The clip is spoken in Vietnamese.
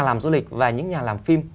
làm du lịch và những nhà làm phim